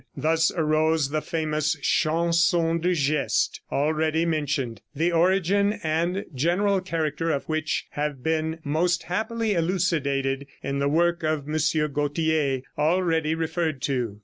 Thus arose the famous Chansons de Geste already mentioned, the origin and general character of which have been most happily elucidated in the work of M. Gautier, already referred to.